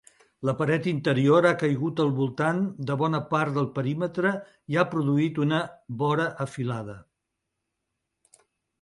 La paret interior ha caigut al voltant de bona part del perímetre i ha produït una vora afilada.